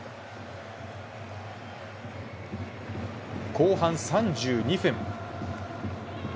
後半３２分。